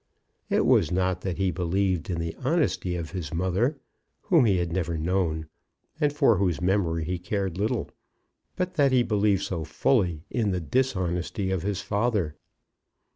It was not that he believed in the honesty of his mother, whom he had never known, and for whose memory he cared little, but that he believed so fully in the dishonesty of his father.